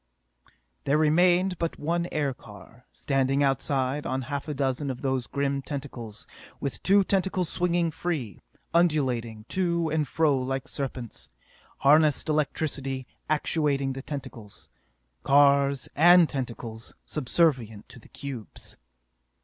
There remained but one aircar, standing outside on half a dozen of those grim tentacles, with two tentacles swinging free, undulating to and fro like serpents. Harnessed electricity actuating the tentacles cars and tentacles subservient to the cubes.